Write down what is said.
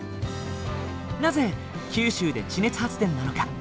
なぜ九州で地熱発電なのか？